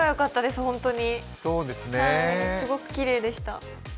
すごくきれいでした。